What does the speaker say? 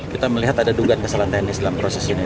kita melihat ada dugaan kesalahan teknis dalam proses ini